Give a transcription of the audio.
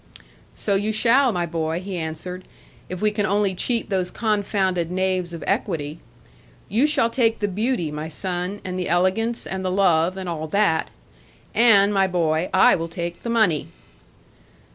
'So you shall, my boy,' he answered, 'if we can only cheat those confounded knaves of Equity. You shall take the beauty, my son, and the elegance, and the love, and all that and, my boy, I will take the money.'